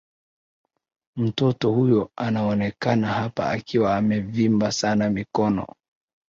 mtoto huyo anaonekana hapa akiwa amevimba sana mikono